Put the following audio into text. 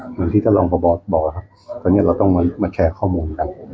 เหมือนที่ท่านรองพบบอกครับตอนนี้เราต้องมาแชร์ข้อมูลกัน